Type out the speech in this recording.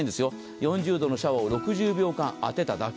４０度のシャワーを６０秒間当てただけ。